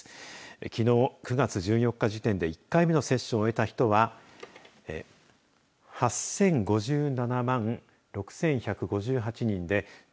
きのう９月１４日時点で１回目の接種を終えた人は８０５７万６１５８人です。